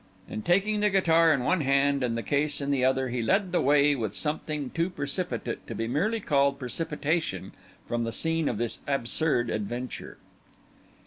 And taking the guitar in one hand and the case in the other, he led the way with something too precipitate to be merely called precipitation from the scene of this absurd adventure.